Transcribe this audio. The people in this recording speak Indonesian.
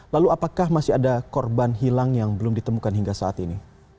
lalu apakah masih ada korban hilang yang belum ditemukan hingga saat ini